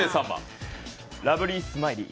ラブリー・スマイリー。